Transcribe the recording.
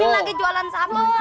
lagi jualan sabun